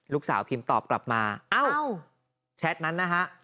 ลูกสาวภีมตอบกลับมาเอ้าแชทนั้นนะฮะ